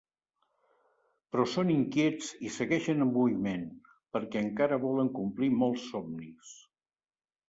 Però són inquiets i segueixen en moviment, perquè encara volen complir molts somnis.